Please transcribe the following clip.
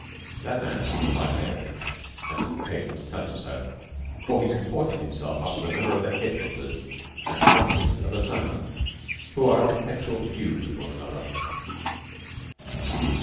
That man was a barbarian (I took occasion to tell him so), for he comported himself after the manner of the head hunters and hunted of Assam who are at perpetual feud one with another.